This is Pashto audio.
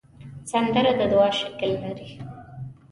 سندره د دعا شکل لري